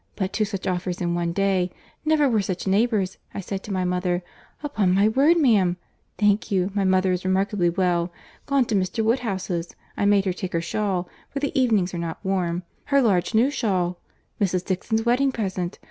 —But two such offers in one day!—Never were such neighbours. I said to my mother, 'Upon my word, ma'am—.' Thank you, my mother is remarkably well. Gone to Mr. Woodhouse's. I made her take her shawl—for the evenings are not warm—her large new shawl— Mrs. Dixon's wedding present.